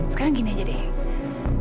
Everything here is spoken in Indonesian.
sekarang gini aja deh